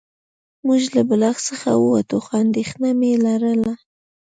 موږ له بلاک څخه ووتو خو اندېښنه مې لرله